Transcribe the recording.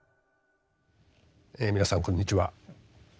え皆さんこんにちは。